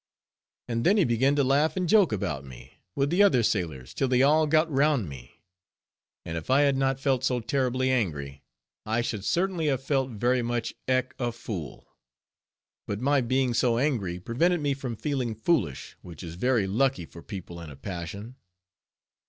And then he began to laugh and joke about me, with the other sailors, till they all got round me, and if I had not felt so terribly angry, I should certainly have felt very much like a fool. But my being so angry prevented me from feeling foolish, which is very lucky for people in a passion.